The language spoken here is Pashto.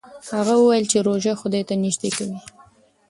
هغه وویل چې روژه خدای ته نژدې کوي.